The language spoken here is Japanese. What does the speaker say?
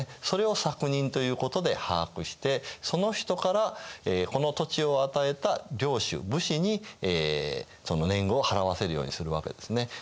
それを作人ということで把握してその人からこの土地を与えた領主武士にその年貢を払わせるようにするわけですね。